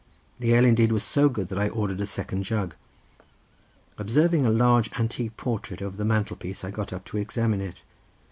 The ale indeed was so good that I ordered a second jug. Observing a large antique portrait over the mantel piece I got up to examine it.